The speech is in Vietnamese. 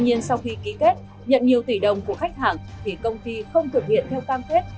tuy nhiên sau khi ký kết nhận nhiều tỷ đồng của khách hàng thì công ty không thực hiện theo cam kết